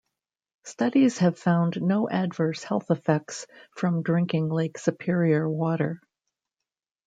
Studies have found no adverse health effects from drinking Lake Superior water.